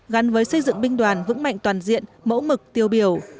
gắn với xây dựng binh đoàn vững mạnh toàn diện mẫu mực tiêu biểu